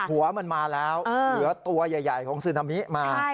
หัวมันมาแล้วเหลือตัวใหญ่ของซึนามิมา